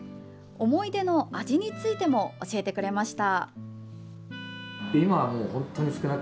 思い出の味についても教えてくれました。